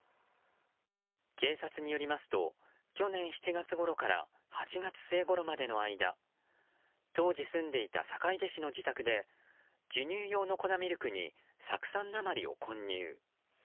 警察によりますと去年７月ごろから８月末ごろまでの間当時、住んでいた坂出市の自宅で授乳用の粉ミルクに酢酸鉛を混入。